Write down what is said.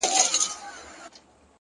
• له څه مودې راهيسي داسـي يـمـه،